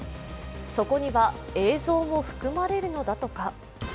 そこには、映像も含まれるのだとか